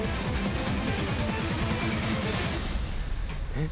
えっ？